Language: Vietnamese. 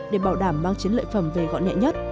để bảo đảm mang chiến lợi phẩm về gọn nhẹ nhất